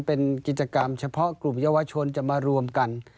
เป็นกิจกรรมเฉพาะกลุ่มเยาวชนจะมารวมกัน